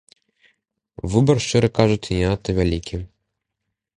Выбар, шчыра кажучы, не надта вялікі.